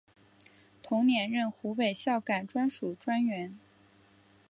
同年任湖北孝感专署专员。